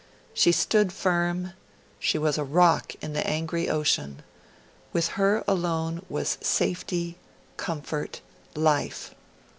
She stood firm; she was a rock in the angry ocean; with her alone was safety, comfort, life.